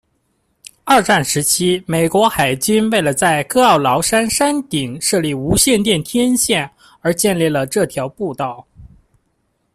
二战时期美国海军为了在科奥劳山山顶设立无线电天线而建立了这条步道。